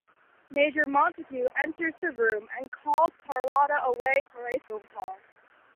Major Montague enters the room, and calls Carlotta away for a phone call.